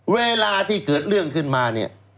เวลาที่เกิดเรื่องขึ้นมาเนี่ย